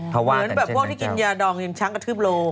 เหมือนแบบพวกที่กินยาดองกินช้างกระทืบโล